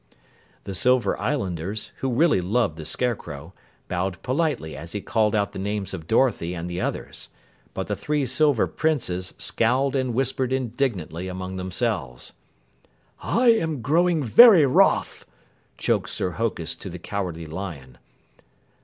The Silver Islanders, who really loved the Scarecrow, bowed politely as he called out the names of Dorothy and the others. But the three Silver Princes scowled and whispered indignantly among themselves. "I am growing very wroth!" choked Sir Hokus to the Cowardly Lion.